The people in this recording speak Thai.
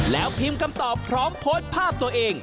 แล้วพิมพ์คำตอบพร้อมโพสต์ภาพตัวเอง